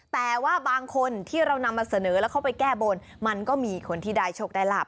แต่ว่าบางคนที่เรานำมาเสนอแล้วเข้าไปแก้บนมันก็มีคนที่ได้โชคได้ลาบ